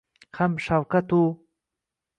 Ham shafqatu